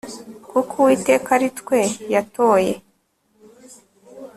kuko uwiteka ari twe yatoye